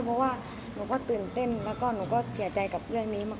เพราะว่าหนูก็ตื่นเต้นแล้วก็หนูก็เสียใจกับเรื่องนี้มาก